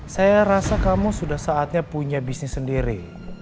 saya rasa kamu sudah saatnya punya bisnis sendiri